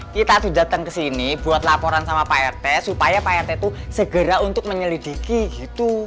kita datang ke sini buat laporan sama pak rt supaya pak rt itu segera untuk menyelidiki gitu